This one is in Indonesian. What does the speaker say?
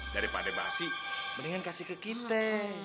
daripada basi mendingan kasih ke kinteng